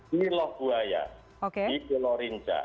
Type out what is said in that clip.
di lohbuaya di gelorinja